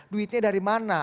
duitnya dari mana